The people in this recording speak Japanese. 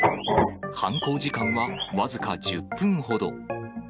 犯行時間は僅か１０分ほど。